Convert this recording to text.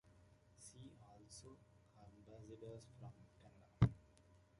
See also Ambassadors from Canada.